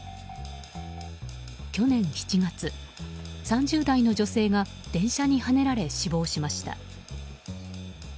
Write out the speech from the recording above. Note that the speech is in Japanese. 去年７月、３０代の女性が電車にはねられ死亡しました。